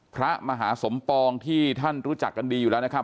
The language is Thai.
พระมหาสมปองที่ท่านรู้จักกันดีอยู่แล้วนะครับ